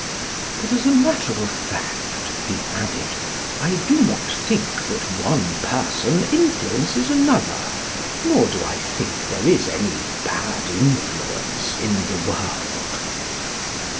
"But as a matter of fact," he added, "I do not think that one person influences another, nor do I think there is any bad influence in the world."